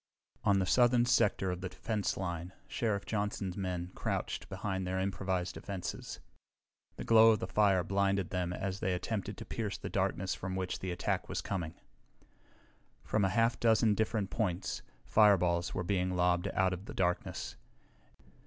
On the southern sector of the defense line Sheriff Johnson's men crouched behind their improvised defenses. The glow of the fire blinded them as they attempted to pierce the darkness from which the attack was coming. From a half dozen different points fireballs were being lobbed out of the darkness.